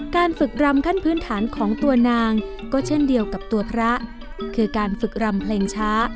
การฝึกรำขั้นพื้นฐานของตัวนางก็เช่นเดียวกับตัวพระคือการฝึกรำเพลงช้า